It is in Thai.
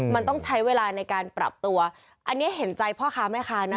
มันต้องใช้เวลาในการปรับตัวอันนี้เห็นใจพ่อค้าแม่ค้านะ